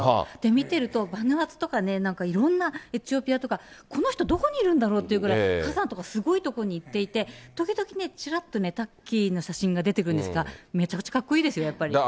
見てると、バヌアツとか、エチオピアとか、この人、どこにいるんだろうっていうくらい、火山とかすごい所に行っていて、時々ね、ちらっとタッキーの写真が出てくるんですが、めちゃくちゃかっこいいですよ、やっぱり。